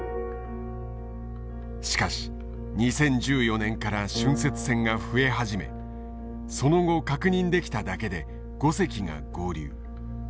しかし２０１４年から浚渫船が増え始めその後確認できただけで５隻が合流。